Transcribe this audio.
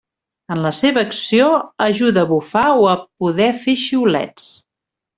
En la seva acció, ajuda a bufar o a poder fer xiulets.